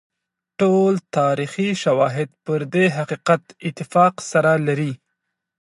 ټول تاریخي شواهد پر دې حقیقت اتفاق سره لري.